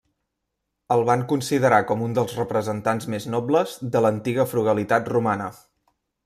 El van considerar com un dels representants més nobles de l'antiga frugalitat romana.